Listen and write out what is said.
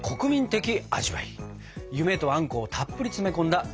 夢とあんこをたっぷり詰め込んだドラえもん